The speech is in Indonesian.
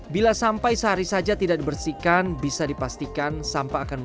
bila sampai sehari saja tidak ada sampah maka kita harus mengambil sampah dari rumah tangga